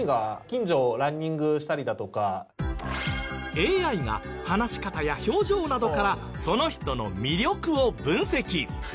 ＡＩが話し方や表情などからその人の魅力を分析。